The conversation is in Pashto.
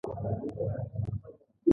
ته به دلته لپې، لپې بارانونه د ښکلا کړي